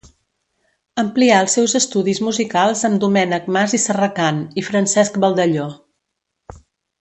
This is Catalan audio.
Amplià els seus estudis musicals amb Domènec Mas i Serracant i Francesc Baldelló.